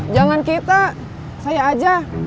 jangan kita saya aja